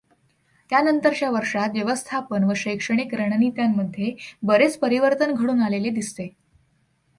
त्यानंतरच्या वर्षांत व्यवस्थापन व शैक्षणिक रणनीत्यांमध्ये बरेच परिवर्तन घडून आलेले दिसते.